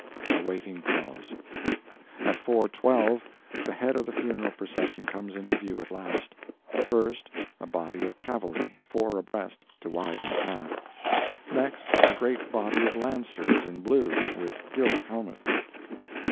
A waiting pause. At four twelve the head of the funeral procession comes into view at last. First, a body of cavalry, four abreast, to widen the path. Next, a great body of lancers, in blue, with gilt helmets.